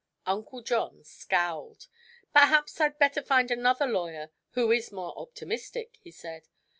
Uncle John scowled. "Perhaps I'd better find another lawyer who is more optimistic," he said.